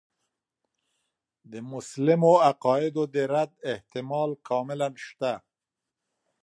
د مسلمو عقایدو د رد احتمال کاملاً شته.